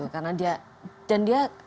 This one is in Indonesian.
karena dia dan dia